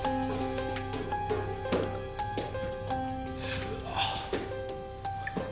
うわ。